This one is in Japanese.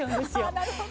あなるほど。